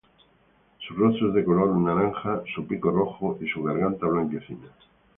Su rostro es de color naranja, su pico rojo y su garganta blanquecina.